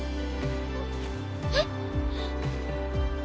えっ！？